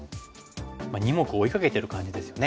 ２目を追いかけてる感じですよね。